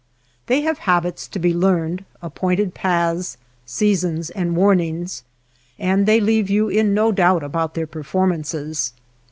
They have habits to be learned, appointed paths, seasons, and warnings, and they leave you in no doubt about their performances.